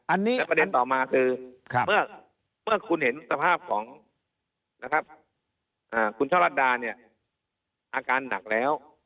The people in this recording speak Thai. อันนี้ประเด็นต่อมาคือเมื่อคุณเห็นสภาพของคุณช่อลัดดาเนี่ยอาการหนักแล้ว